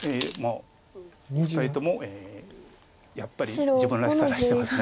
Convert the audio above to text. ２人ともやっぱり自分らしさ出してます。